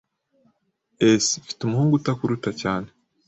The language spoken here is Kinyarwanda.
[S] Mfite umuhungu utakuruta cyane.